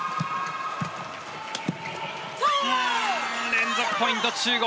連続ポイント、中国。